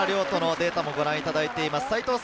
土のデータもご覧いただいています。